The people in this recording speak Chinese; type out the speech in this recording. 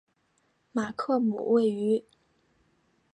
马克姆位于。